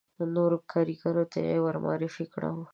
نورو کاریګرو ته یې ور معرفي کړم.